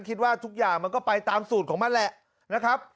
คิดว่าทุกอย่างมันก็ไปตามสูตรของมันแหละนะครับ